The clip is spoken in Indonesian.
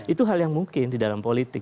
itu hal yang mungkin di dalam politik